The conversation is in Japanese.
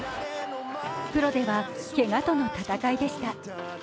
プロではけがとの闘いでした。